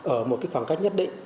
ở một khoảng cách nhất định